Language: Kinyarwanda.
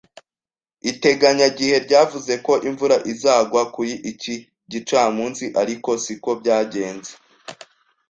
Iteganyagihe ryavuze ko imvura izagwa kuri iki gicamunsi, ariko siko byagenze.